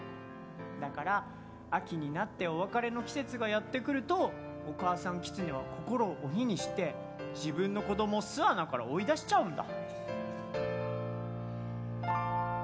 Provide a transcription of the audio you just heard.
だから秋になってお別れの季節がやって来るとお母さんキツネは心を鬼にして自分の子どもを巣穴から追い出しちゃうんだ。